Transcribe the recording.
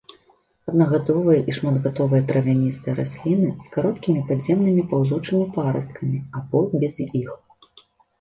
Аднагадовыя і шматгадовыя травяністыя расліны з кароткімі падземнымі паўзучымі парасткамі або без іх.